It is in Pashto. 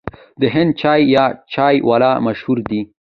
د هند چای یا چای والا مشهور دی.